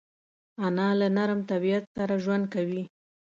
انا له نرم طبیعت سره ژوند کوي